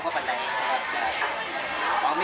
หวังมีคุณภาพใจจากภูมิภัณฑ์ธรรมชีพนะครับ